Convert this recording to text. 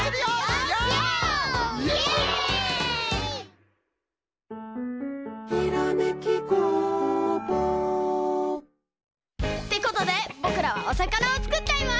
イエイ！ってことでぼくらはおさかなをつくっちゃいます！